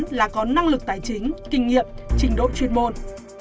phạm công danh có năng lực tài chính kinh nghiệm trình độ chuyên môn